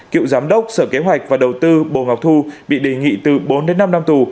cựu giám đốc sở kế hoạch và đầu tư bồ ngọc thu bị đề nghị từ bốn đến năm năm tù